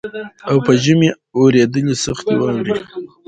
او په ژمي اورېدلې سختي واوري